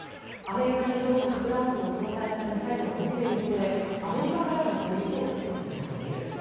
アメリカに届く核弾頭を搭載したミサイルを持っていることでアメリカからの攻撃を防ぐことができる。